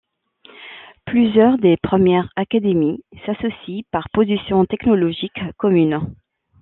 Plusieurs des premières académies s'associent par positions théologiques communes.